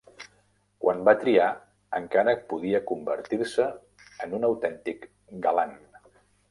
Quan va triar, encara podia convertir-se en un autèntic galant.